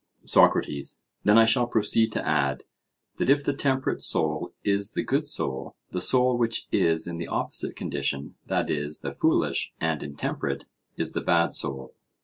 SOCRATES: Then I shall proceed to add, that if the temperate soul is the good soul, the soul which is in the opposite condition, that is, the foolish and intemperate, is the bad soul.